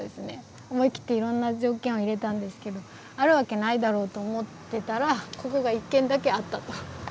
思い切っていろんな条件を入れたんですけどあるわけないだろうと思ってたらここが１軒だけあったと。